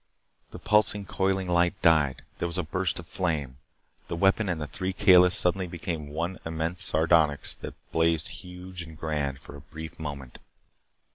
The pulsing coiling light died. There was a burst of flame. The weapon and the three Kalis suddenly became one immense sardonyx that blazed huge and grand for a brief moment.